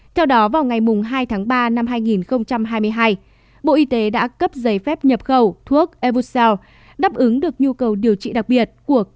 theo đó vào ngày hai tháng ba năm hai nghìn hai mươi hai bộ y tế đã cấp giấy phép nhập khẩu thuốc evucel đáp ứng được nhu cầu điều trị đặc biệt